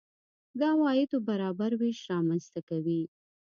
د عوایدو برابر وېش رامنځته کوي.